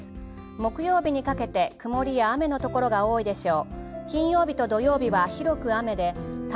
木曜日にかけて曇りや雨のところが多いでしょう。